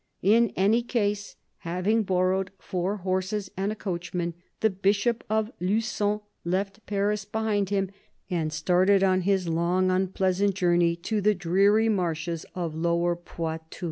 In any case, having borrowed four horses and a coach man, the Bishop of Lufon left Paris behind him, and started on his long unpleasant journey to the dreary marshes of Lower Poitou.